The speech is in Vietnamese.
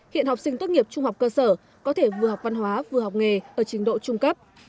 hiện học sinh tốt nghiệp trung học cơ sở có thể vừa học văn hóa vừa học nghề ở trình độ trung cấp